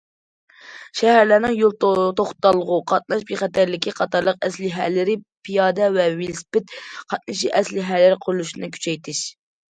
شەھەرلەرنىڭ يول، توختالغۇ، قاتناش بىخەتەرلىكى قاتارلىق ئەسلىھەلىرى، پىيادە ۋە ۋېلىسىپىت قاتنىشى ئەسلىھەلىرى قۇرۇلۇشىنى كۈچەيتىش.